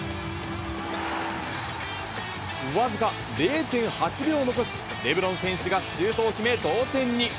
僅か０．８秒を残し、レブロン選手がシュートを決め、同点に。